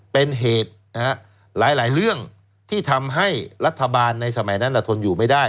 เป็นเหตุหลายเรื่องที่ทำให้รัฐบาลในสมัยนั้นทนอยู่ไม่ได้